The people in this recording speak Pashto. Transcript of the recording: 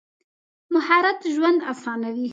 مهارت ژوند اسانوي.